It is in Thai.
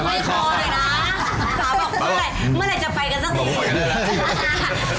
ป่าบอกว่าเมื่อไหร่จะไปกันซักที